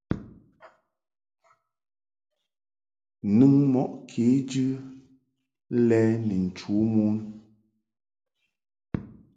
Nɨŋ mɔʼ kejɨ lɛ ni nchu mon.